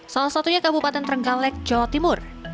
salah satunya kabupaten trenggalek jawa timur